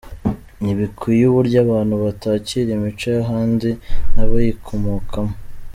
Ntibikwiye uburyo abantu batakira imico y’ahandi n’abayikomokamo.